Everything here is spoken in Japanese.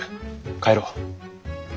帰ろう。